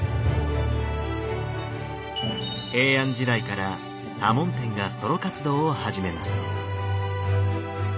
平安時代から多聞天がソロ活動を始めます。